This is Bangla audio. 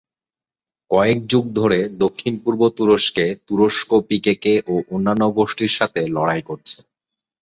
কয়েক যুগ ধরে দক্ষিণ-পূর্ব তুরস্কে, তুরস্ক, পিকেকে ও অন্যান্য গোষ্ঠীর সাথে লড়াই করছে।